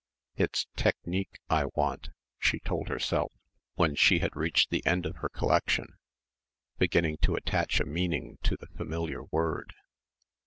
"It's technique I want," she told herself, when she had reached the end of her collection, beginning to attach a meaning to the familiar word.